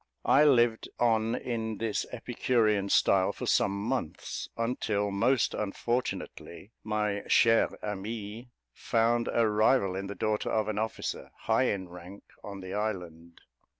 I lived on in this Epicurean style for some months; until, most unfortunately, my chère amie found a rival in the daughter of an officer, high in rank, on the island.